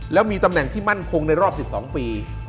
แล้วมีตำแหน่งที่มั่นคงในรอบ๑๒ปี